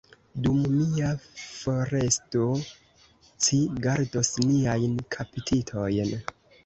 Dum mia foresto, ci gardos niajn kaptitojn.